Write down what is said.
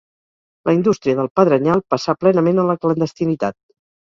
La indústria del pedrenyal passà plenament a la clandestinitat.